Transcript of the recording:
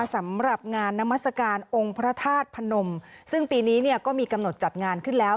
สำหรับงานนามัศกาลองค์พระธาตุพนมซึ่งปีนี้เนี่ยก็มีกำหนดจัดงานขึ้นแล้ว